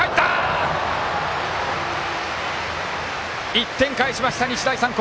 １点返しました、日大三高！